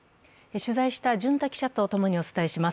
取材した巡田記者とともにお伝えします。